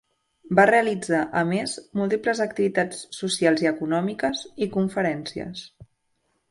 Va realitzar a més, múltiples activitats socials i econòmiques i conferències.